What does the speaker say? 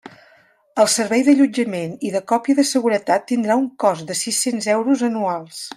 El servei d'allotjament i de còpia de seguretat tindrà un cost de sis-cents euros anuals.